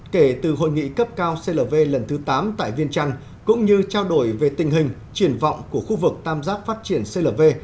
kể từ hội nghị cấp cao clv lần thứ tám tại viên trăng cũng như trao đổi về tình hình triển vọng của khu vực tam giác phát triển clv